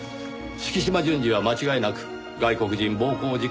敷島純次は間違いなく外国人暴行事件の主犯です。